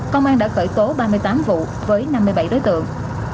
công an đã khởi tố ba mươi tám vụ với năm mươi bảy đối tượng